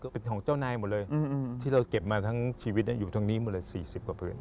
เป็นของเจ้านายหมดเลยที่เราเก็บมาทั้งชีวิตอยู่ทั้งนี้หมดเลย๔๐กว่าผืน